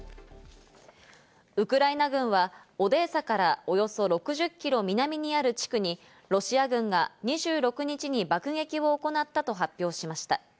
ウクライナ軍はオデーサからおよそ６０キロ南にある地区にロシア軍が２６日に爆撃を行ったと発表しました。